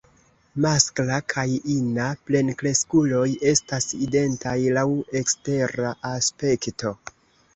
Maskla kaj ina plenkreskuloj estas identaj laŭ ekstera aspekto.